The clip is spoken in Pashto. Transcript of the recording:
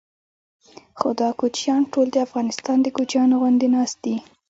خو دا کوچیان ټول د افغانستان د کوچیانو غوندې ناست دي.